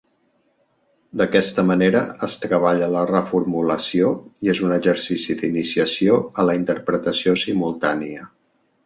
D'aquesta manera es treballa la reformulació i és un exercici d'iniciació a la interpretació simultània.